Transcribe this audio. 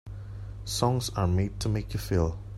Songs are made to make you feel.